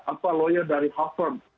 apa lawyer dari harvard